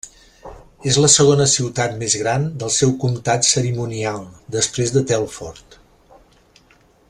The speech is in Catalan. És la segona ciutat més gran del seu comtat cerimonial, després de Telford.